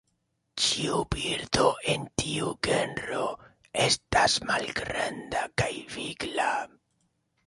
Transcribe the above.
Ĉiu birdo en tiu genro estas malgranda kaj vigla.